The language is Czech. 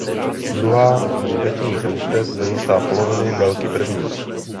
Druhá hřbetní ploutev dorůstá poloviny délky první.